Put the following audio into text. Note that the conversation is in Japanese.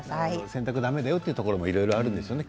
洗濯だめだよというところもあるんでしょうね。